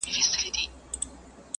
مرغۍ په هوا کې په الوتلو دي.